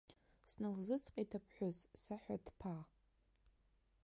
Сналзыҵҟьеит аԥҳәыс, саҳәа ҭԥаа!